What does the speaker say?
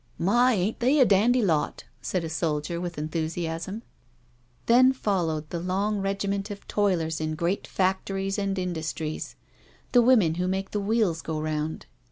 *' My, ain't they a dandy lot," said a soldier, with enthusiasm. Then followed the long regiment of toilers in great factories and industries — the women who make the wheels go round.